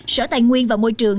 sở tài nguyên và môi trường